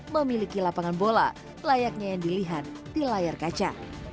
memiliki lapangan bola layaknya yang dilihat di layar kaca